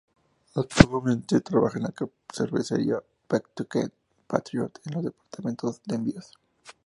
Actualmente trabaja en la cervecería Pawtucket Patriot en el departamento de envíos.